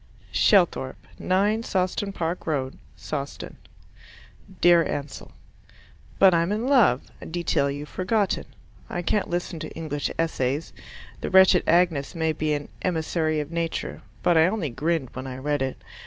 Shelthorpe, 9 Sawston Park Road, Sawston Dear Ansell, But I'm in love a detail you've forgotten. I can't listen to English Essays. The wretched Agnes may be an "emissary of Nature," but I only grinned when I read it.